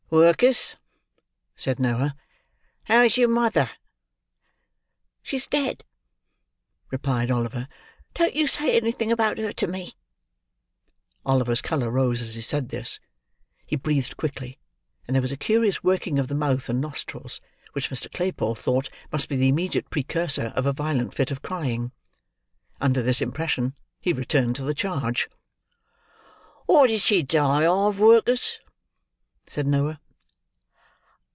"Work'us," said Noah, "how's your mother?" "She's dead," replied Oliver; "don't you say anything about her to me!" Oliver's colour rose as he said this; he breathed quickly; and there was a curious working of the mouth and nostrils, which Mr. Claypole thought must be the immediate precursor of a violent fit of crying. Under this impression he returned to the charge. "What did she die of, Work'us?" said Noah.